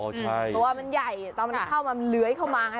ตัวมันใหญ่ตอนเข้ามามันเหลือยเข้ามา